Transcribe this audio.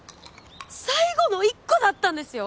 最後の一個だったんですよ！？